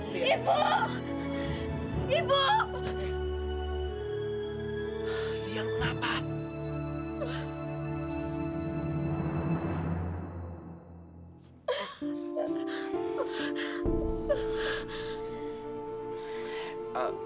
lia lu kenapa